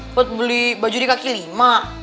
buat beli baju di kaki lima